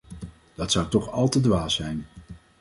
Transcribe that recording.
Dat zou toch al te dwaas zijn.